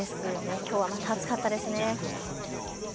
きょうはまた暑かったですね。